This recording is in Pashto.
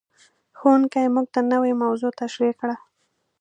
ښوونکی موږ ته نوې موضوع تشریح کړه.